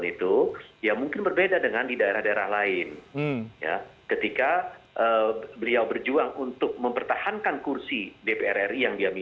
kita allunden dulu ada yang iedereen yang ket vemangsmurna dan rezim vamos